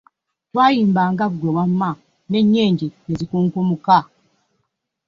Twayimbanga ggwe wamma n'ennyenje ne zikunkumuka.